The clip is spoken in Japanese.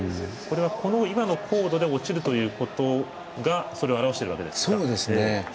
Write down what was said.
今の高度で落ちるということがそれを表しているわけですか。